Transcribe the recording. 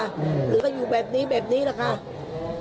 หรือก็อยู่แบบนี้แบบนี้ล่ะครับ